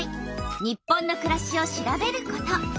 「日本のくらし」を調べること。